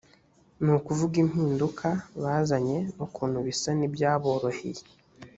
ni ukuvuga impinduka bazanye n’ukuntu bisa n’ibyaboroheye